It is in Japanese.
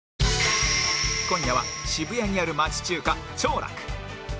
今夜は渋谷にある町中華兆楽